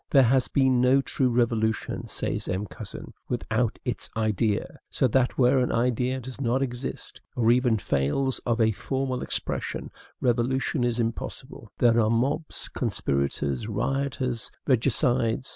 There has been no true revolution, says M. Cousin, with out its idea; so that where an idea does not exist, or even fails of a formal expression, revolution is impossible. There are mobs, conspirators, rioters, regicides.